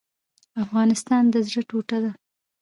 افغانستان د زړه ټوټه ده؟